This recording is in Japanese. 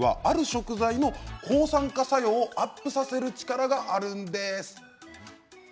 食材の抗酸化作用をアップさせる力があるんです。